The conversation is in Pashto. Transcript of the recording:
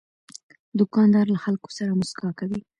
دوکاندار له خلکو سره مسکا کوي.